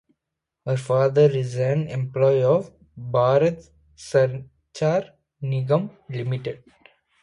Her father is an employee of Bharat Sanchar Nigam Limited.